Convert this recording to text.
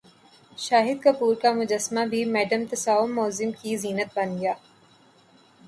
شاہد کپور کا مجسمہ بھی مادام تساو میوزم کی زینت بن گیا